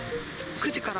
９時から。